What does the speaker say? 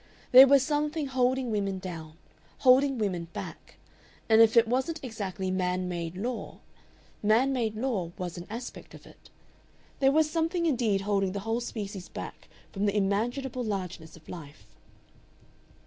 There was something holding women down, holding women back, and if it wasn't exactly man made law, man made law was an aspect of it. There was something indeed holding the whole species back from the imaginable largeness of life....